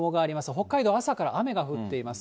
北海道、朝から雨が降っています。